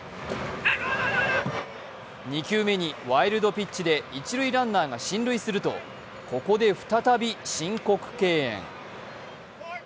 ２球目にワイルドピッチで一塁ランナーが進塁するとここで再び申告敬遠。